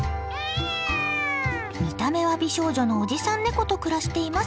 見た目は美少女のおじさんネコと暮らしています。